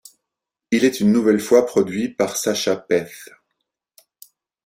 Il est une nouvelle fois produit par Sascha Paeth.